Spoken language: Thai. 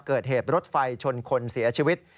เกิดเหตุรถไฟชนคนเสียชีวิต